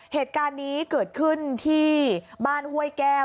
เหตุการณ์นี้เกิดขึ้นที่บ้านห้วยแก้ว